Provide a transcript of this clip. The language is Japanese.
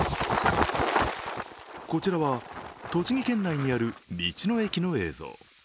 こちらは栃木県内にある道の駅の映像。